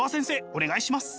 お願いします。